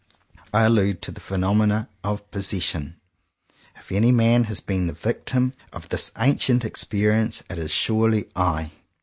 I allude to the phenom enon of "possession." If any man has been the victim of this ancient experience, it is surely I.